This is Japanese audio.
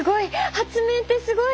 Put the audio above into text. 発明ってすごい！